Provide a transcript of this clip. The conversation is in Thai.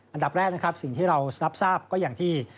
อันดับแรกนะครับสิ่งที่เรารับทราบก็อย่างที่